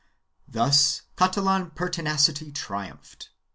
1 Thus Catalan pertinacity triumphed.